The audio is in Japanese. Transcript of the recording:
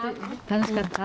楽しかった？